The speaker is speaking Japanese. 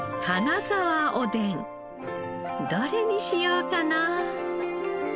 どれにしようかな？